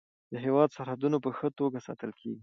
د هیواد سرحدونه په ښه توګه ساتل کیږي.